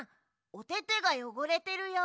おててがよごれてるよ。